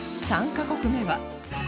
３カ国目は